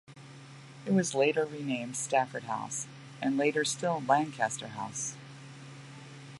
It was later renamed Stafford House, and later still Lancaster House.